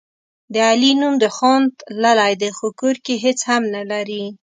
د علي نوم د خان تللی دی، خو کور کې هېڅ هم نه لري.